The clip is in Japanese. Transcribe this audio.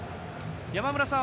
山村さん